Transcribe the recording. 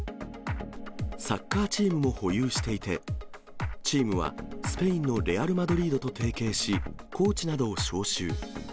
サッカーチームも保有していて、チームは、スペインのレアル・マドリードと提携し、コーチなどを招集。